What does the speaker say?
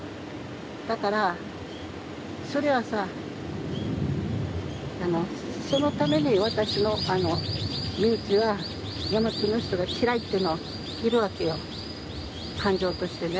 だから、それはさ、そのために私の身内はヤマトの人が嫌いっていうのがいるわけよ、感情として。